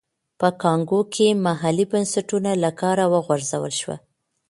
په کانګو کې محلي بنسټونه له کاره وغورځول شول.